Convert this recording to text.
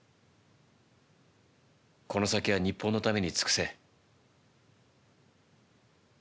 この先は日本のために尽くせ。